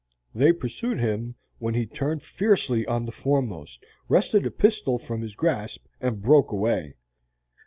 They pursued him, when he turned fiercely on the foremost, wrested a pistol from his grasp, and broke away.